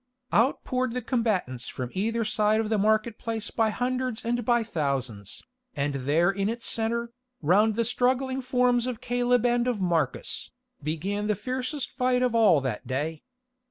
Out poured the combatants from either side of the market place by hundreds and by thousands, and there in its centre, round the struggling forms of Caleb and of Marcus, began the fiercest fight of all that day.